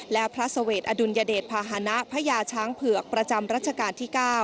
และพระสเวทอดุลยเดชภาษณะพญาช้างเผือกประจำรัชกาลที่๙